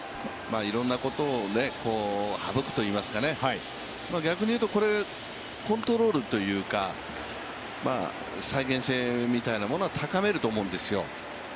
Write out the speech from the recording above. いろんなことを省くといいますか逆に言うと、コントロールというか再現性みたいなものを高めると思うんですよ。